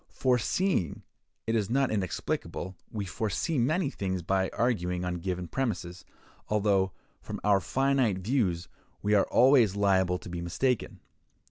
Foreseeing it is not inexplicable: we foresee many things by arguing on given premises, although, from our own finite views, we are always liable to be mistaken.